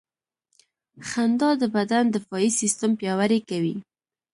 • خندا د بدن دفاعي سیستم پیاوړی کوي.